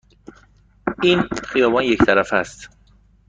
این خیابان یک طرفه است.